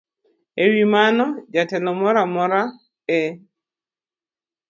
E wi mano, jatelo moro amora e m